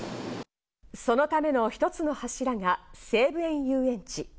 そのための一つの柱が西武園ゆうえんち。